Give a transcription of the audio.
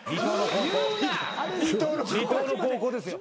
離島の高校ですよ。